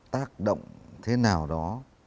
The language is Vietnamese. tác động thế nào đó